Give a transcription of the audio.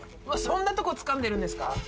うわそんなとこつかんでるんですか。